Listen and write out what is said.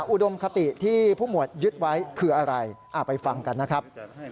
อุดมคติที่ผู้หมวดยึดไว้คืออะไรไปฟังกันนะครับ